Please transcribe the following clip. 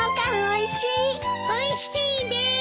おいしいです。